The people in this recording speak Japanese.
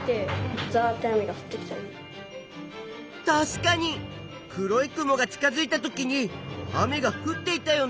たしかに黒い雲が近づいたときに雨がふっていたよね。